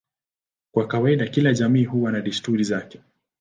Kwa kawaida kila jamii huwa na desturi zake.